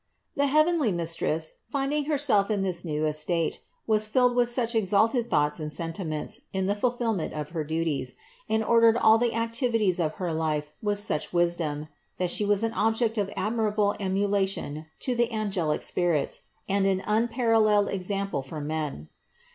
The heavenly Mistress, finding Herself in this new estate, was filled with such exalted thoughts and sentiments in the fulfillment of her duties, and ordered all the activities of her life with such wisdom, that She was an object of admirable emulation to the angelic spirits and an unparalleled example for men.